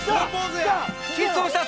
キスをした！